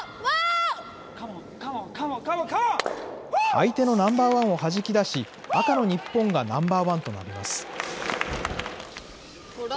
相手のナンバーワンをはじき出し、赤の日本がナンバーワンとなります。